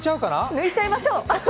抜いちゃいましょう！